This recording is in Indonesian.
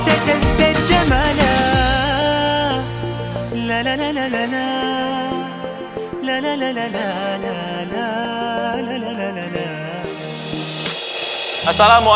aku makannya caranya